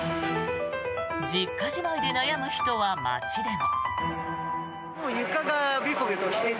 実家じまいで悩む人は街でも。